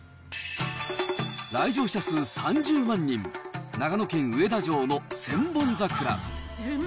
来場者数３０万人、長野県・上田城の千本桜。